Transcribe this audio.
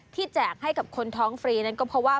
แจกให้กับคนท้องฟรีนั้นก็เพราะว่า